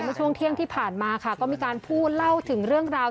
เมื่อช่วงเที่ยงที่ผ่านมาค่ะก็มีการพูดเล่าถึงเรื่องราว